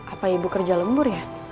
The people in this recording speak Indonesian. apa ibu kerja lembur ya